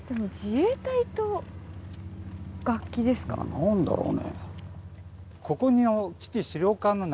何だろうね？